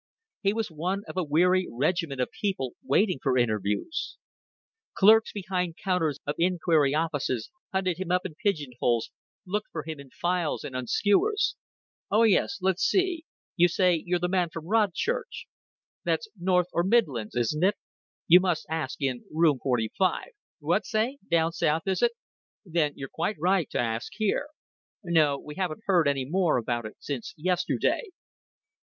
He was one of a weary regiment of people waiting for interviews. Clerks behind counters of inquiry offices hunted him up in pigeon holes, looked for him in files and on skewers. "Oh, yes, let's see. You say you're the man from Rodchurch! That's north or midlands, isn't it? You must ask in Room 45.... What say? Down south, is it? Then you're quite right to ask here. No, we haven't heard any more about it since yesterday."